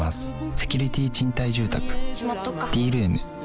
セキュリティ賃貸住宅「Ｄ−ｒｏｏｍ」しまっとくか。